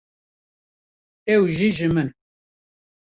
ew jî ji min.